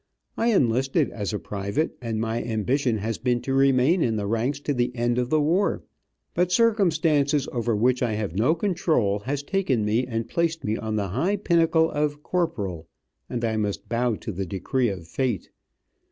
I enlisted as a private, and my ambition has been to remain in the ranks to the end of the war. But circumstances over which I have no control has taken me and placed me on the high pinnacle of Corporal, and I must bow to the decree of fate.